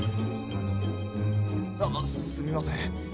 あすみません。